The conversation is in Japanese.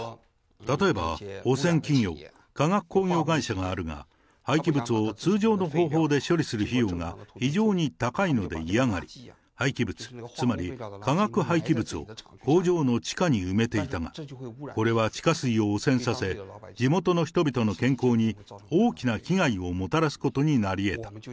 例えば汚染企業、化学工業会社があるが、廃棄物を通常の方法で処理する費用が非常に高いので嫌がり、廃棄物、つまり化学廃棄物を工場の地下に埋めていたが、これは地下水を汚染させ、地元の人々の健康に大きな危害をもたらすことになりえた。